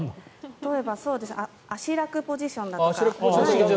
例えば足楽ポジションだとか。